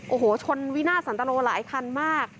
โอ้โหชนวินาทสันตโลหลายคันมาก